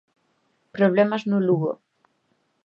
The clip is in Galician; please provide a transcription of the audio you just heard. Problemas no Lugo.